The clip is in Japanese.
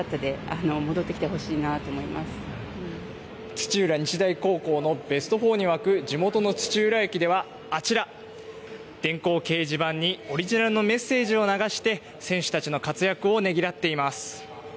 土浦日大高校のベストフォーに沸く地元の土浦駅では、あちら電光掲示板にオリジナルのメッセージを流して選手たちの活躍をねぎらっています。